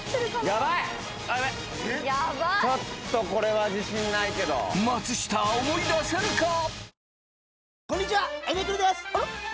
ヤバイちょっとこれは自信ないけど松下思い出せるか？